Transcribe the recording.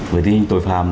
với tình tội phạm